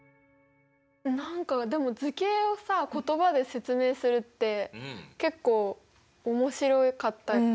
何かでも図形をさ言葉で説明するって結構面白かったかも。